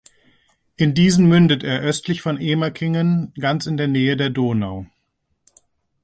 In diesen mündet er östlich von Emerkingen, ganz in der Nähe der Donau.